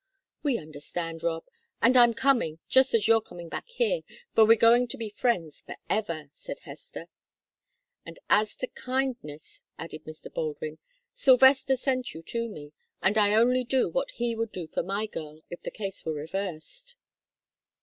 "We understand, Rob, and I'm coming, just as you're coming back here, for we're going to be friends forever," said Hester. "And as to kindness," added Mr. Baldwin, "Sylvester sent you to me, and I only do what he would do for my girl, if the case were reversed."